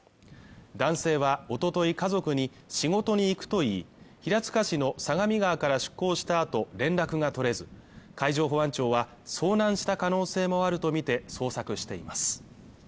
男性はおととい家族に仕事に行くといい平塚市の相模川から出港したあと連絡が取れず海上保安庁は遭難した可能性もあるとみて捜索しています